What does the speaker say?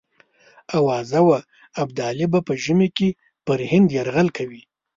آوازه وه ابدالي به په ژمي کې پر هند یرغل کوي.